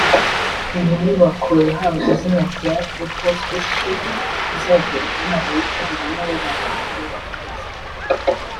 Iyi nyubako yahawe izina rya Apple Spaceship izajya ituma abayikoreramo babasha kureba hanze